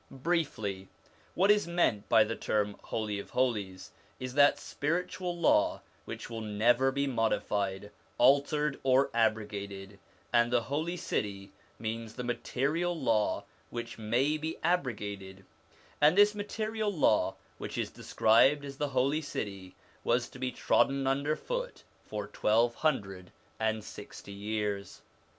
Briefly, what is meant by the term Holy of Holies is that spiritual Law which will never be modified, altered, or abrogated, and the Holy City means the material Law which may be abrogated ; and this material Law, which is described as the Holy City, was to be trodden under foot for twelve hundred and sixty years.